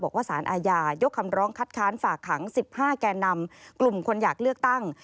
บอกว่าสารอาญายกคำร้องคัดค้านฝากขัง๑๕แก่นำกลุ่มคนอยากเลือกตั้ง